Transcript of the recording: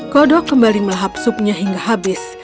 kodok kembali melahap supnya hingga habis